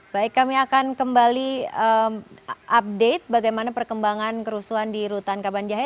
baik kami akan kembali update bagaimana perkembangan kerusuhan di rutan kabanjahe